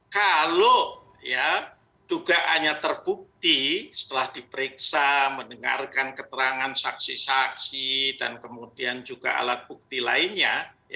kalau dugaannya terbukti setelah diperiksa mendengarkan keterangan saksi saksi dan kemudian juga alat bukti lainnya